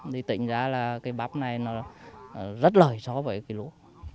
thì tỉnh ra là cái bắp này nó rất lợi so với cái lúa